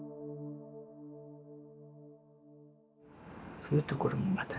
そういうところもまたね